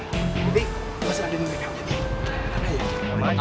jadi gak usah ladenin mereka